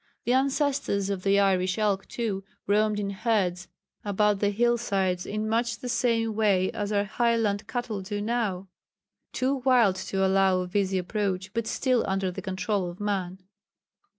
The ancestors of the Irish elk, too, roamed in herds about the hill sides in much the same way as our Highland cattle do now too wild to allow of easy approach, but still under the control of man.